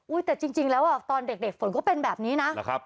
แต่จริงแล้วอ่ะตอนเด็กฝนก็เป็นแบบนี้นะ